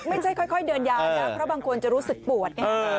ไม่ค่อยเดินยาวนะเพราะบางคนจะรู้สึกปวดไง